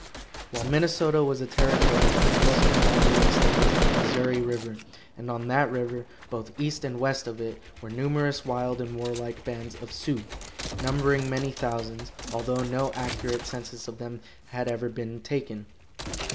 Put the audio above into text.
While Minnesota was a territory its western boundary extended to the Missouri river, and on that river, both east and west of it, were numerous wild and warlike bands of Sioux, numbering many thousands, although no accurate census of them had ever been taken.